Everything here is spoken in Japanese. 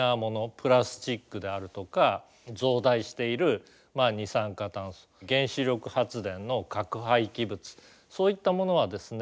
プラスチックであるとか増大している二酸化炭素原子力発電の核廃棄物そういったものはですね